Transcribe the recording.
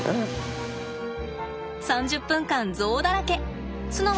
３０分間ゾウだらけ。